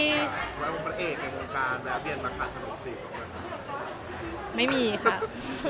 ถ้าเกิดจะบังคับเป็นใครจริงครับ